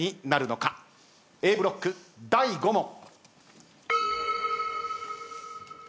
Ａブロック第５問。